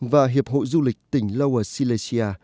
và hiệp hội du lịch tỉnh lower silesia